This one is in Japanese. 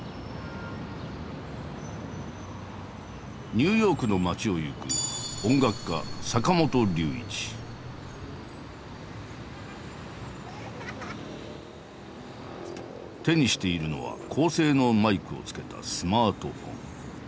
ニューヨークの街を行く手にしているのは高性能マイクをつけたスマートフォン。